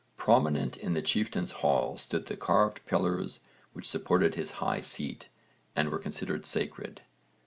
Prominent in the chieftain's hall stood the carved pillars which supported his high seat and were considered sacred.